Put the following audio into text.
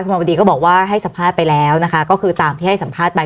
ภาวดีก็บอกว่าให้สัมภาษณ์ไปแล้วนะคะก็คือตามที่ให้สัมภาษณ์ไป